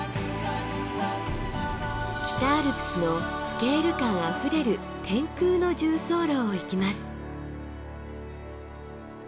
北アルプスのスケール感あふれる天空の縦走路を行きます。